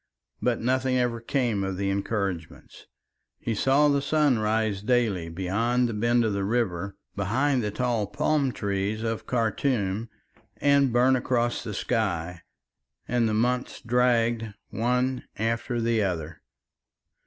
But nothing ever came of the encouragements. He saw the sun rise daily beyond the bend of the river behind the tall palm trees of Khartum and burn across the sky, and the months dragged one after the other.